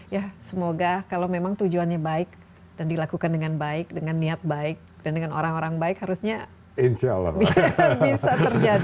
ya semoga kalau memang tujuannya baik dan dilakukan dengan baik dengan niat baik dan dengan orang orang baik harusnya bisa terjadi